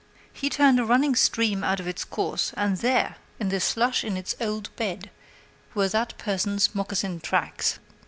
He turned a running stream out of its course, and there, in the slush in its old bed, were that person's moccasin tracks.